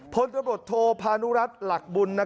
พลตบริโทษภานุรัตน์หลักบุญ